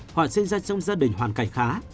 hoặc sinh ra trong gia đình hoàn cảnh khá